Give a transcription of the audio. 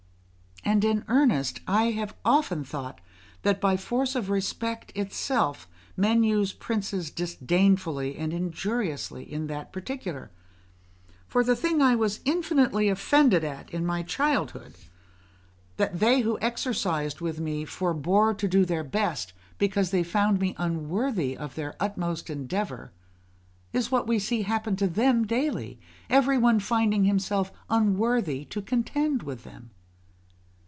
And, in earnest, I have often thought that by force of respect itself men use princes disdainfully and injuriously in that particular; for the thing I was infinitely offended at in my childhood, that they who exercised with me forbore to do their best because they found me unworthy of their utmost endeavour, is what we see happen to them daily, every one finding himself unworthy to contend with them.